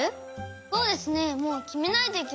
そうですねもうきめないといけませんね。